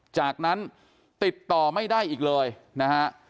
จากนั้นติดต่อไม่ได้อีกเลยนะฮะ